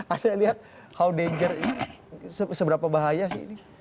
anda lihat how danger ini seberapa bahaya sih ini